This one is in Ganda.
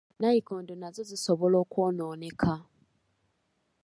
Nayikondo nazo zisobola okwonooneka.